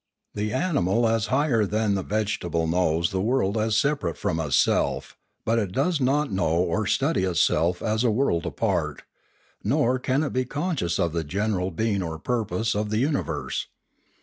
The animal as higher than the vege table knows the world as separate from itself, but it does not know or study itself as a world apart; nor can it be conscious of the general being or purpose of the uni verse.